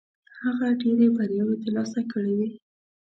هغه ډېرې بریاوې ترلاسه کړې وې.